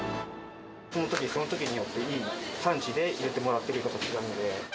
そのときそのときによって、いい産地で入れてもらっているので。